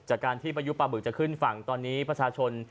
จากการที่พายุปลาบึกจะขึ้นฝั่งตอนนี้ประชาชน